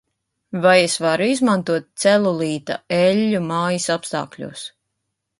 Vai es varu izmantot celulīta eļļu mājas apstākļos?